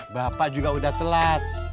bapak juga udah telat